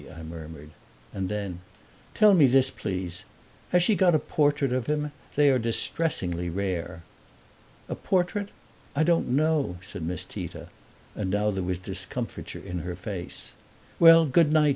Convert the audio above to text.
I murmured. And then, "Tell me this, please has she got a portrait of him? They are distressingly rare." "A portrait? I don't know," said Miss Tita; and now there was discomfiture in her face. "Well, good night!"